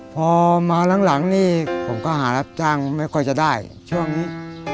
พอมาหลังนี่ผมก็หารับจ้างไม่ค่อยจะได้ช่วงนี้